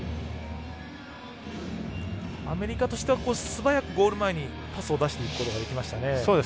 アメリカとしては素早くゴール前にパスを出していくことができましたね。